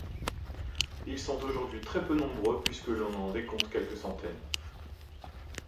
Ils sont aujourd'hui très peu nombreux puisque l'on en décompte quelques centaines.